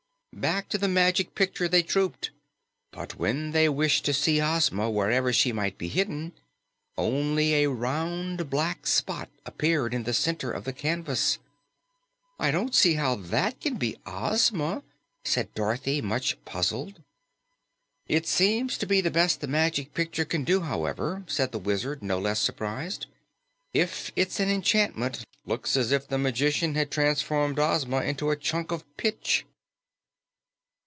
Back to the Magic Picture they trooped, but when they wished to see Ozma wherever she might be hidden, only a round black spot appeared in the center of the canvas. "I don't see how THAT can be Ozma!" said Dorothy, much puzzled. "It seems to be the best the Magic Picture can do, however," said the Wizard, no less surprised. "If it's an enchantment, looks as if the magician had transformed Ozma into a chunk of pitch."